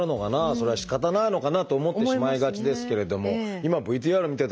それはしかたないのかなと思ってしまいがちですけれども今ＶＴＲ見てたらね